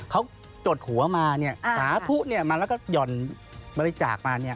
เขาจดหัวมาหาผู้มาแล้วก็หย่อนบริจาคมา